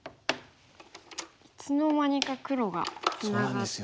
いつの間にか黒がツナがって。